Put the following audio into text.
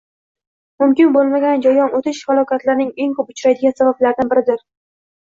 Mumkin bo‘lmagan joydan o'tish falokatlarning eng ko‘p uchraydigan sabablardan biridir.